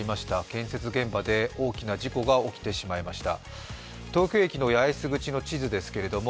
建設現場で大きな事故が起きてしまいました。